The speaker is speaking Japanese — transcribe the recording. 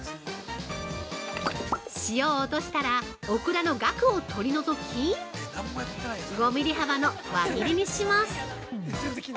塩を落としたら、オクラのガクを取り除き、５ミリ幅の輪切りにします！